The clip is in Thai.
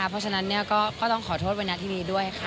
เพราะฉะนั้นก็ต้องขอโทษไว้หน้าทีวีด้วยค่ะ